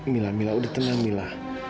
mila mila udah tenang mila